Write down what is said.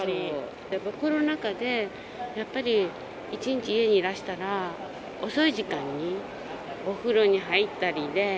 コロナ下でやっぱり一日家にいらしたら、遅い時間にお風呂に入ったりで。